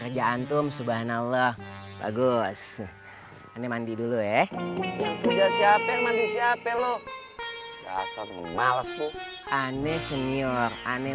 kerjaan tum subhanallah bagus ini mandi dulu ya siapa siapa lo males ku aneh senior aneh